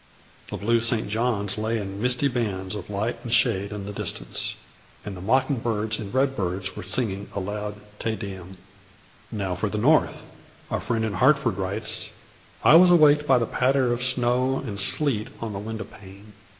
The blue St. John's lay in misty bands of light and shade in the distance; and the mocking birds and red birds were singing a loud Te Deum. Now for the North. A friend in Hartford writes, "I was awaked by the patter of snow and sleet on the window pane.